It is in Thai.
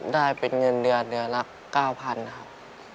ได้เป็นเงินเดือนเรียนละ๙๐๐๐บาทครับ